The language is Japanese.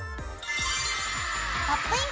「ポップイン！